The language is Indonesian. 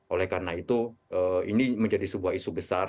oleh karena itu ini menjadi sebuah isu besar